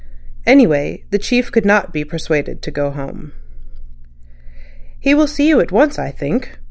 Anyway, the Chief could not be persuaded to go home. "He will see you at once, I think.